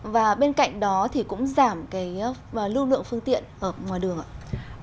và bên cạnh đó thì cũng giảm cái lưu lượng phương tiện ở ngoài đường ạ